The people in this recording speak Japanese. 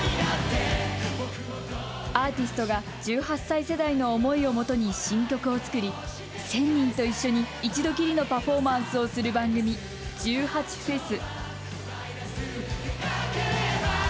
アーティストが１８歳世代の思いをもとに新曲を作り１０００人と一緒に一度きりのパフォーマンスをする番組、１８祭。